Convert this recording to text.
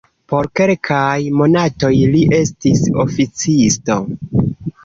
Por kelkaj monatoj li estis oficisto.